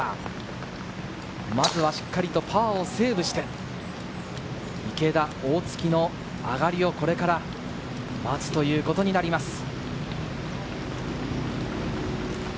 まずはしっかりとパーをセーブして、池田、大槻の上がりをこれから待つということになります。